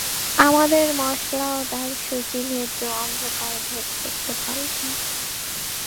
আমাদের মশালও তার সূচিভেদ্য অন্ধকার ভেদ করতে পারল না।